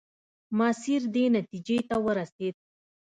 ماسیر دې نتیجې ته ورسېد.